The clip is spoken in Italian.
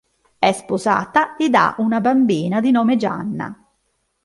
È sposata ed ha una bambina di nome Gianna.